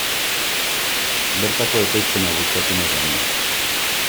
Bertako ekoizpena bultzatu nahi genuen.